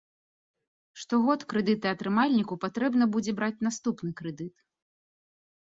Штогод крэдытаатрымальніку патрэбна будзе браць наступны крэдыт.